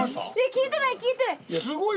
聞いてない聞いてない。